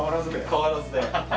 変わらずで。